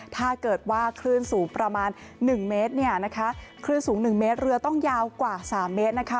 ถ้าเกิดว่าคลื่นสูงประมาณ๑เมตรเนี่ยนะคะคลื่นสูง๑เมตรเรือต้องยาวกว่า๓เมตรนะคะ